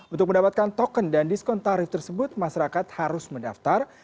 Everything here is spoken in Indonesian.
untuk mendapatkan token dan diskon tarif tersebut masyarakat harus mendaftar